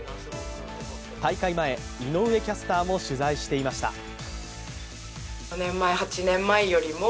大会前、井上キャスターも取材していました。